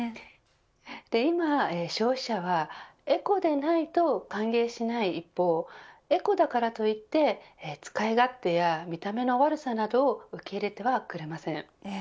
今、消費者はエコでないと歓迎しない一方エコだからといって使い勝手や見た目の悪さなどを受け入れてはくれません。